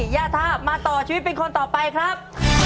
ย่าทาบมาต่อชีวิตเป็นคนต่อไปครับ